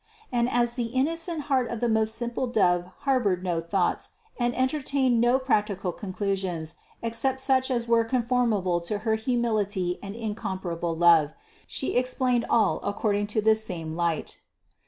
And as the innocent heart of the most simple Dove harbored no thoughts, and entertained no practical conclusions ex cept such as were conformable to her humility and in comparable love, She explained all according to this same light.